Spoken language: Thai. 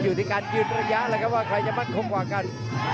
อยู่ที่การยืนระยะแล้วครับว่าใครจะมั่นคงกว่ากัน